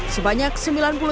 kemudian kemudian kemudian